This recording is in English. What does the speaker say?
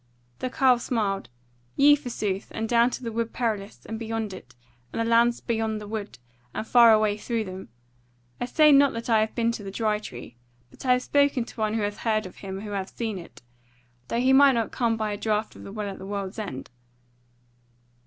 The carle smiled: "Yea forsooth, and down to the Wood Perilous, and beyond it, and the lands beyond the Wood; and far away through them. I say not that I have been to the Dry Tree; but I have spoken to one who hath heard of him who hath seen it; though he might not come by a draught of the Well at the World's End."